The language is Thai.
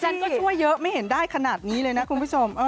ฉันก็ช่วยเยอะไม่เห็นได้ขนาดนี้เลยนะคุณผู้ชม